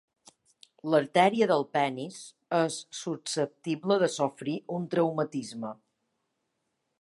L'artèria del penis és susceptible de sofrir un traumatisme.